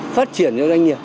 phát triển cho doanh nghiệp